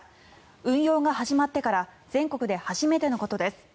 運用が始まってから全国で初めてのことです。